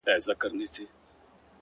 • اوس چي سهار دى گراني ـ